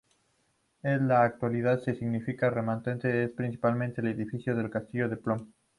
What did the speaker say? En la actualidad, su significación remanente es principalmente el edificio del Castillo de Plön.